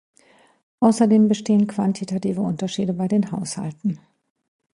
Außerdem bestehen quantitative Unterschiede bei den Haushalten.